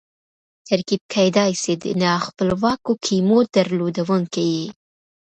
ترکیب کېدای سي د نا خپلواکو کیمو درلودونکی يي.